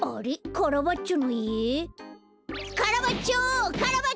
カラバッチョ！